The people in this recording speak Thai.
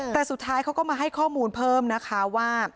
แต่สุดท้ายเขาก็มาให้ข้อมูลเพิ่มนะคะว่า